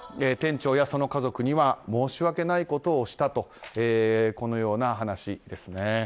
店長やその家族には申し訳ないことをしたという話ですね。